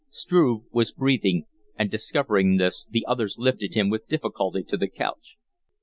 Struve was breathing, and, discovering this, the others lifted him with difficulty to the couch.